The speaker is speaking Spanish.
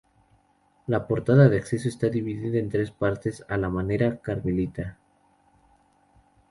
La portada de acceso está dividida en tres partes a la manera carmelita.